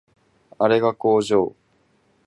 あれが工場